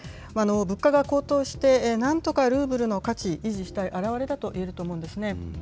物価が高騰して、なんとかルーブルの価値、維持したい表れだといえると思うんですね。